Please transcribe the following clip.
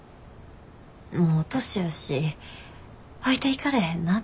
もう年やし置いていかれへんなって。